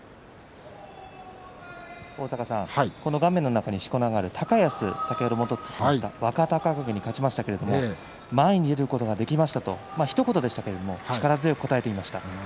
この画面の中にしこ名がある高安先ほど若隆景に勝ちましたけれど前に出ることができましたとひと言でしたけれども力強く答えていました。